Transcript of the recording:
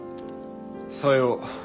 さよう。